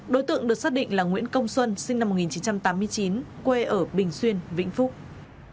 đối tượng được xác định là nguyễn công xuân sinh năm một nghìn chín trăm tám mươi chín quê ở bình xuyên vĩnh phúc